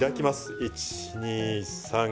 １２３４５。